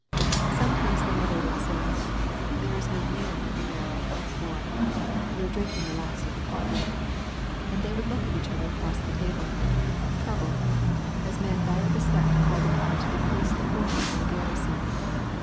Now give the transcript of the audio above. Sometimes the mother would say, "There is no meal in the barrel," or, "You're drinking the last of the coffee;" and they would look at each other across the table, troubled, as men dire beset called upon to decrease the forces of a garrison.